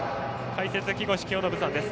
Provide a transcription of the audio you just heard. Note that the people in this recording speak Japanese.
解説、木越清信さんです。